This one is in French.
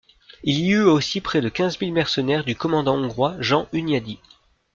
Il y eut aussi près de quinze mille mercenaires du commandant hongrois Jean Hunyadi.